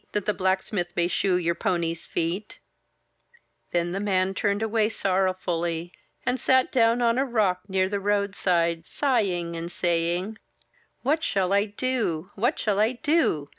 That the blacksmith may shoe your pony's feet/' Then the man turned away sorrowfully, and sat down on a rock near the roadside, sighing and saying: — 'What shall I do? What shall I do?